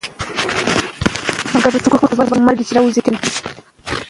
علم د ټولنې د پرمختګ وسیله ده.